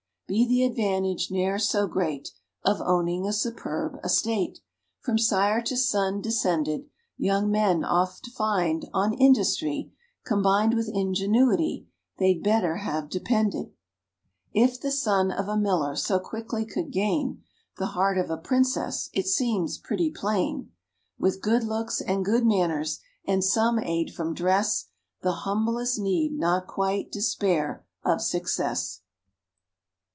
Be the advantage ne'er so great Of owning a superb estate, From sire to son descended. Young men oft find, on industry, Combined with ingenuity, They'd better have depended. ALSO If the son of a Miller so quickly could gain The heart of a Princess, it seems pretty plain, With good looks and good manners, and some aid from dress, The humblest need not quite despair of success.